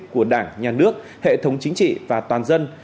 của đảng nhà nước hệ thống chính trị và toàn dân